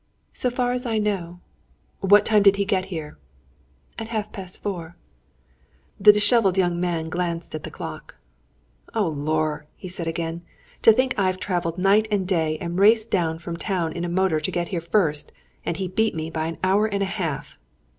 "So far as I know." "What time did he get here?" "At half past four." The dishevelled young man glanced at the clock. "Oh, lor!" he said again. "To think I've travelled night and day and raced down from town in a motor to get here first, and he beat me by an hour and a half!